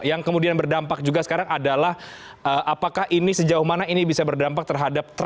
yang kemudian berdampak juga sekarang adalah apakah ini sejauh mana ini bisa berdampak terhadap